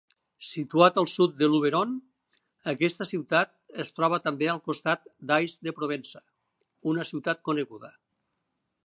Situat al sud de Luberon, aquesta ciutat es troba també al costat d'Ais de Provença, una ciutat coneguda.